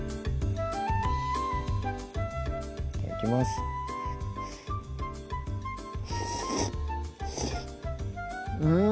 いただきますうん！